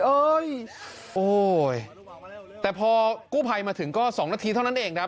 โอ้ยแต่พอกู้ภัยมาถึงก็๒นาทีเท่านั้นเองครับ